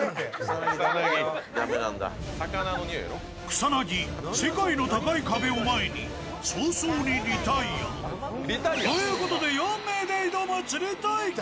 草薙、世界の高い壁を前に早々にリタイア。ということで、４名で挑む釣り大会。